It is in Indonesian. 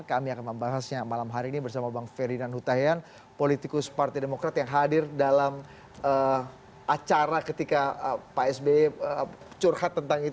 kami akan membahasnya malam hari ini bersama bang ferdinand hutahian politikus partai demokrat yang hadir dalam acara ketika pak sby curhat tentang itu